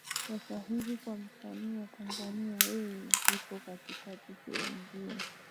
sasa hivi kwa msanii wa tanzania ee iko katikati sehemu mbili